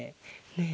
ねえ！